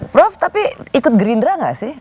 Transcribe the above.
prof tapi ikut gerindra nggak sih